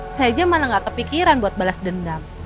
saya aja malah gak kepikiran buat balas dendam